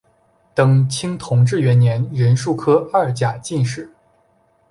登清同治元年壬戌科二甲进士。